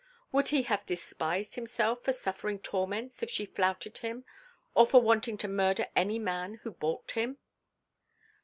Would he have despised himself for suffering torments if she flouted him or for wanting to murder any man who balked him?